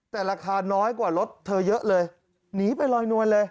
แต่ราคาน้อยกว่ารถเธอเยอะเลยหนีไปลอยนวลเลย